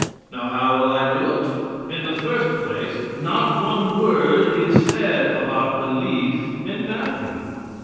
Now how will I do it? In the first place, not one word is said about belief in Matthew.